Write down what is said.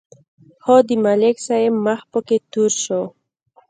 خو د ملک صاحب مخ پکې تور شو.